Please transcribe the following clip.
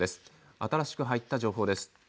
新しく入った情報です。